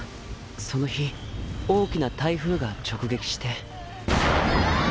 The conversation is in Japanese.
その日大きな台風が直撃して。わぁーっ！！